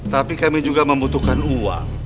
tapi kami juga membutuhkan uang